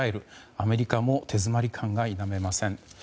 アメリカも手詰まり感が否めません。